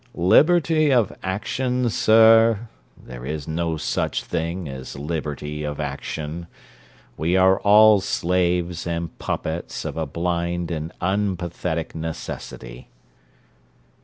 'Liberty of action, sir? there is no such thing as liberty of action. We are all slaves and puppets of a blind and unpathetic necessity.'